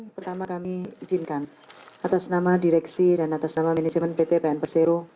pertama kami izinkan atas nama direksi dan atas nama manisemen pt pnp seru